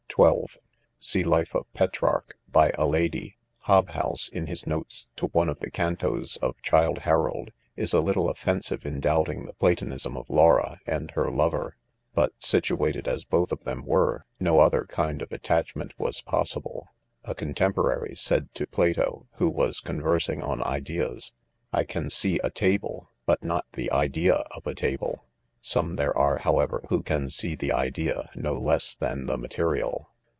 , (32) See life of Petrarch, by a !ady» Hobhouse, in his notes to one of the cantos of/* Childe Harold,^ is a little offensive in doubting the Hatonism of Laura and her lover; but situated as both of .them were, no other MncE of attachment was possible. A contemporary said to Plato, who Was conversing on ideas, " I can see a iabh s but not the idea, of a table. 5 * Some there are, however^ who can see; the idea, no less than the material.